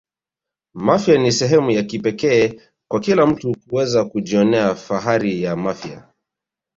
mafia ni sehemu ya kipekee kwa kila mtu kuweza kujionea fahari wa mafia